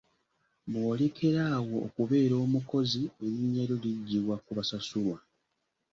Bw'olekera awo okubeera omukozi erinnya lyo liggyibwa ku basasulwa.